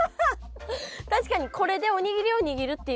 確かにこれでおにぎりを握るっていうことも学べるし。